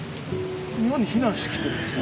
日本に避難してきてるんですか？